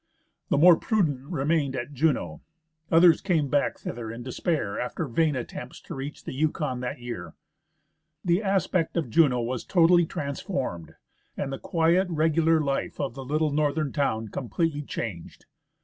The more prudent remained at Juneau ; others came back thither in despair after vain attempts to reach the Yukon that year. The aspect of Juneau was totally transformed, and the quiet, regular life of the little northern town completely changed.